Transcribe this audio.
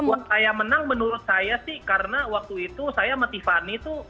buat saya menang menurut saya sih karena waktu itu saya sama tiffany itu